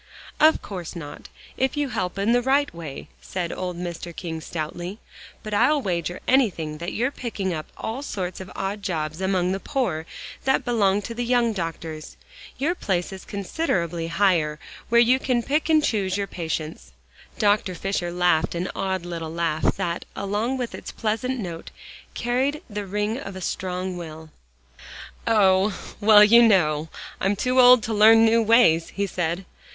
"Of course not, if you help in the right way," said old Mr. King stoutly, "but I'll wager anything that you're picking up all sorts of odd jobs among the poor, that belong to the young doctors. Your place is considerably higher, where you can pick and choose your patients." Dr. Fisher laughed an odd little laugh, that along with its pleasant note, carried the ring of a strong will. "Oh! well, you know, I'm too old to learn new ways," he said.